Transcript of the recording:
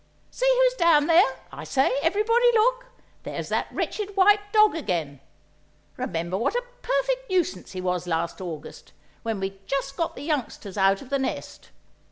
"See who's down there? I say, everybody, look! There's that wretched white dog again! Remember what a perfect nuisance he was last August, when we'd just got the youngsters out of the nest?